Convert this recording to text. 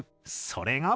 それが。